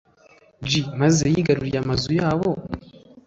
j maze yigarurire amazu yabo